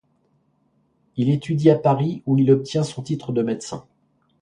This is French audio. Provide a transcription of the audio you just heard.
Il étudie à Paris et où il obtient son titre de médecin.